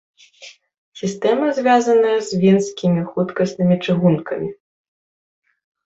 Сістэма звязаная з венскімі хуткаснымі чыгункамі.